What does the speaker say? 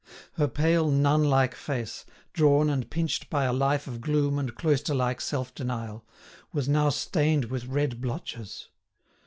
Her pale nun like face, drawn and pinched by a life of gloom and cloister like self denial, was now stained with red blotches.